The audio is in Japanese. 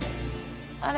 あれ？